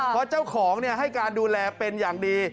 เพราะเจ้าของให้การดูแลเป็นอย่างดี